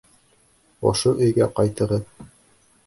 Ошо өйгә ҡайтығыҙ!